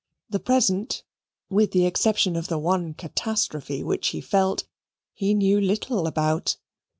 The present, with the exception of the one catastrophe which he felt, he knew little about.